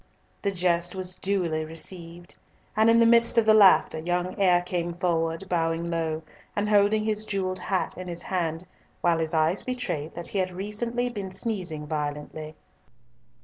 The jest was duly received, and in the midst of the laughter, young Eyre came forward, bowing low, and holding his jewelled hat in his hand, while his eyes betrayed that he had recently been sneezing violently.